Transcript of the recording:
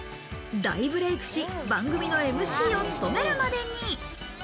大ブレイクし、番組のＭＣを務めるまでに。